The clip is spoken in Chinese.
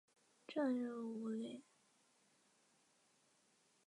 张家界荷花国际机场位于中华人民共和国湖南省张家界市。